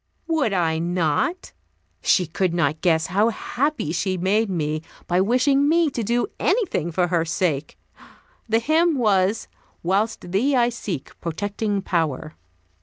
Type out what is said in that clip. Would I not? She could not guess how happy she made me by wishing me to do anything for her sake. The hymn was, "Whilst Thee I seek, protecting Power."